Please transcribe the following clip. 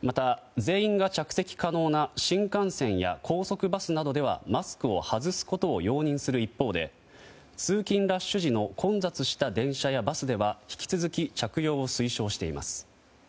また、全員が着席可能な新幹線や高速バスなどではマスクを外すことを容認する一方で通勤ラッシュ時の混雑した電車やバスでは引き続き着用を推奨しています。